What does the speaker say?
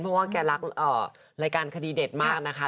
เพราะว่าแกรักรายการคดีเด็ดมากนะคะ